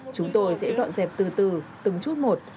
chúng tôi sẽ dọn dẹp từ từ từng chút một